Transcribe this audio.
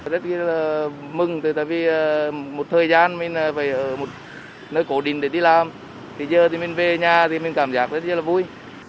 tại vì một thời gian mình phải ở một nơi cổ định để đi làm thì giờ mình về nhà thì mình cảm giác rất là vui